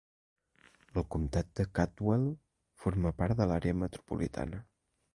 El comtat de Caldwell forma part de l'àrea metropolitana.